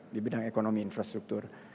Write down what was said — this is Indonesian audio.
di bidang ekonomi infrastruktur